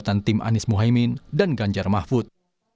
dan juga kepentingan gugatan tim anies muhaymin dan ganjar mahfud